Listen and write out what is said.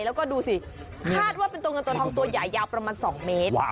แล้วก็ดูสิคาดว่าเป็นตัวเงินตัวทองตัวใหญ่ยาวประมาณ๒เมตร